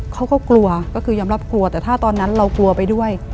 เขาก็กลัวก็คือยอมรับกลัวแต่ถ้าตอนนั้นเรากลัวไปด้วย